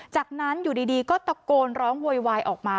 จากนั้นอยู่ดีก็ตะโกนร้องโวยวายออกมา